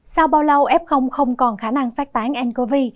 sau bao lâu f không còn khả năng phát tán ncov